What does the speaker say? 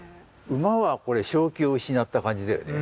馬はこれ正気を失った感じだよね。